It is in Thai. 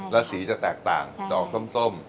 แล้วสีจะแตกต่างดอกส้ม